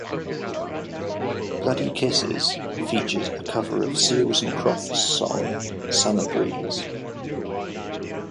"Bloody Kisses" features a cover of Seals and Crofts' song "Summer Breeze".